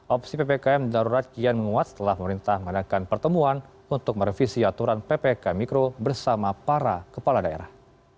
opsi ppkm darurat kian menguat setelah pemerintah mengadakan pertemuan untuk merevisi aturan ppkm mikro bersama para kepala daerah